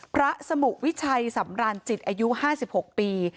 พระสมุวิชัยสำราญจิตอายุ๕๖ปี